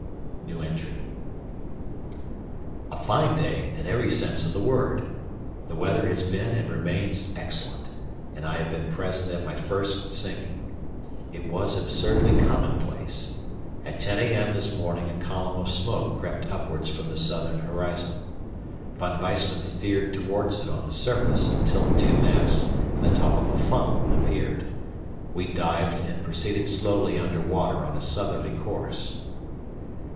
A fine day in every sense of the word. The weather has been and remains excellent, and I have been present at my first sinking. It was absurdly commonplace. At 10 a.m. this morning a column of smoke crept upwards from the southern horizon. Von Weissman steered towards it on the surface until two masts and the top of a funnel appeared. We dived and proceeded slowly under water on a southerly course.